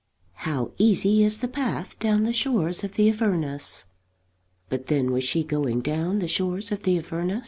How easy is the path down the shores of the Avernus! but then, was she going down the shores of the Avernus?